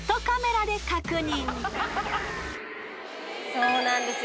そうなんですよ。